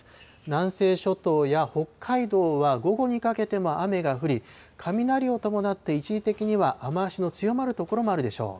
南西諸島や北海道は午後にかけても雨が降り、雷を伴って、一時的には雨足の強まる所もあるでしょう。